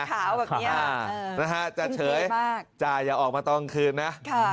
ขาวแบบนี้นะฮะจ่าเฉยอย่าออกมาตอนคืนนะ